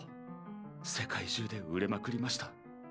世界中で売れまくりました。